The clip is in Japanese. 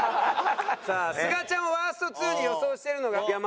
さあすがちゃんをワースト２に予想しているのが山添。